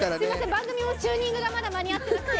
番組もチューニングがまだ間に合ってなくて。